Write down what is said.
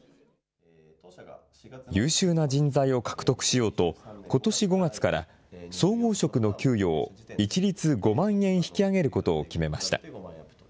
優秀な人材を獲得しようと、ことし５月から、総合職の給与を一律５万円引き上げることを決めました。